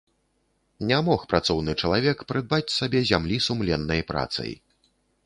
Не мог працоўны чалавек прыдбаць сабе зямлі сумленнай працай.